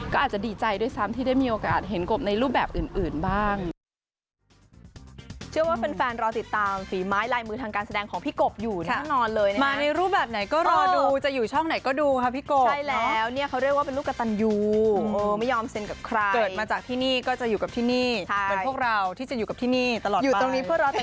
ก็อาจจะดีใจด้วยซ้ำที่ได้มีโอกาสเห็นกบในรูปแบบอื่นบ้าง